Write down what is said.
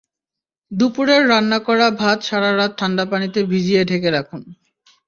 দুপুরের রান্না করা ভাত সারা রাত ঠান্ডা পানিতে ভিজিয়ে ঢেকে রাখুন।